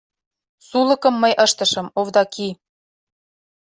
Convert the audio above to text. Сулыкым мый ыштышым, Овдаки.